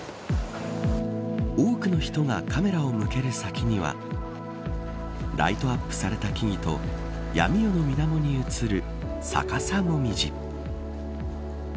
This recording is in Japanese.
多くの人がカメラを向ける先にはライトアップされた木々と闇夜の水面に映る逆さもみじ。